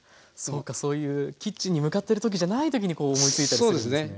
そうかそういうキッチンに向かってる時じゃない時にこう思いついたりするんですね。